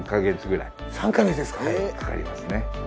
はいかかりますね。